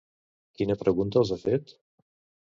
Quina pregunta els ha fet?